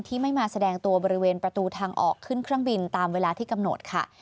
ที่ไม่มาแสดงตัวบริเวณประตูทางออกขึ้นเครื่องบินตามเวลาที่กำหนดค่ะ